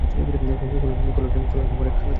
কল্যাণে আমার এক খালা থাকে না?